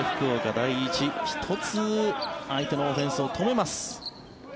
第一、１つ相手のオフェンスを止めます。